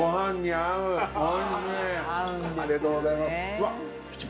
ありがとうございます。